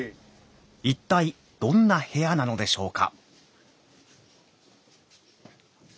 一体どんな部屋なのでしょうか。